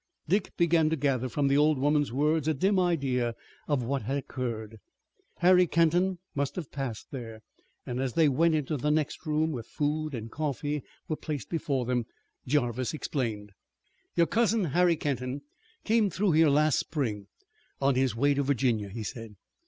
Dick began to gather from the old woman's words a dim idea of what had occurred. Harry Kenton must have passed there, and as they went into the next room where food and coffee were placed before them, Jarvis explained. "Your cousin, Harry Kenton, came through here last spring on his way to Virginia," he said.